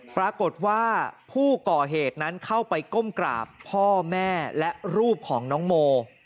ปรากฏว่าผู้ก่อเหตุนั้นเข้าไปก้มกราบพ่อแม่และรูปของน้องโม